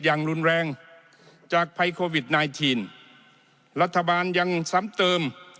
อย่างรุนแรงจากภัยโควิดไนทีนรัฐบาลยังซ้ำเติม